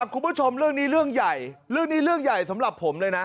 คุณผู้ชมเรื่องนี้เรื่องใหญ่เรื่องนี้เรื่องใหญ่สำหรับผมเลยนะ